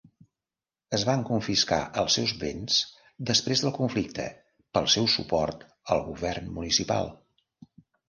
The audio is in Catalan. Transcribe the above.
Es van confiscar els seus béns després del conflicte pel seu suport al govern municipal.